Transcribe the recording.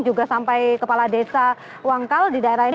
juga sampai kepala desa wangkal di daerah ini